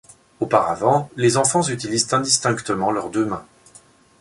Auparavant, les enfants utilisent indistinctement leurs deux mains.